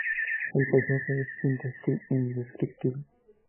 El paisaje es indescriptible.